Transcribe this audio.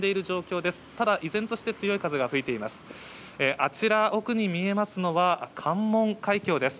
あちら奥に見えますのは、関門海峡です。